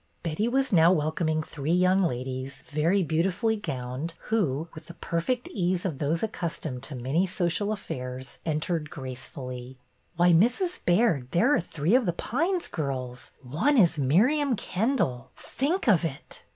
Betty was now wel coming three young ladies, very beautifully gowned, who, with the perfect ease of those accustomed to many social affairs, entered gracefully. Why, Mrs. Baird, there are three of The Pines girls. One is Miriam Kendall! Think of it!"